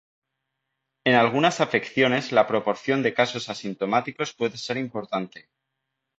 En algunas afecciones, la proporción de casos asintomáticos puede ser importante.